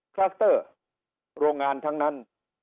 คลัสเตอร์โรงงานทั้งนั้น